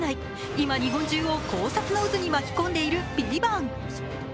今、日本中を考察の渦に巻き込んでいる「ＶＩＶＡＮＴ」。